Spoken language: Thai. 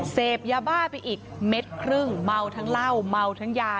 เสพยาบ้าไปอีกเม็ดครึ่งเมาทั้งเหล้าเมาทั้งยา